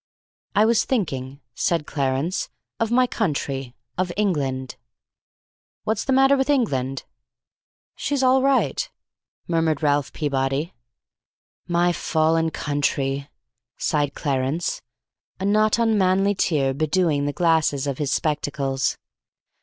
"I was thinking," said Clarence, "of my country of England." "What's the matter with England?" "She's all right," murmured Ralph Peabody. "My fallen country!" sighed Clarence, a not unmanly tear bedewing the glasses of his spectacles.